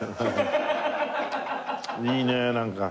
いいねえなんか。